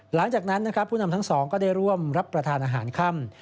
หลังจากนั้นนะครับผู้นำทั้งสองก็ได้ร่วมรับประทานอาหารค่ำ